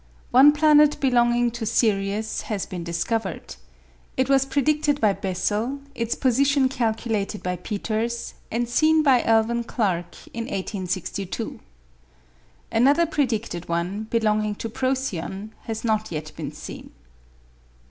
One planet belonging to Sirius has been discovered. It was predicted by Bessel, its position calculated by Peters, and seen by Alvan Clark in 1862. Another predicted one, belonging to Procyon, has not yet been seen.